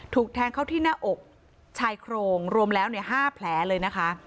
ถูกแทงเข้าที่หน้าอกชายโครงรวมแล้ว๕แผลเลยนะคะ